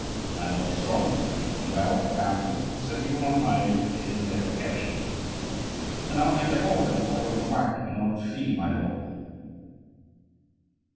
My lord is strong and well, apparently, so he will not mind if it is a little heavy; and I will make a hole in the bottom of the waggon in order to feed my lord."